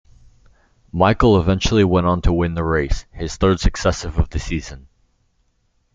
Michael eventually went on to win the race, his third successive of the season.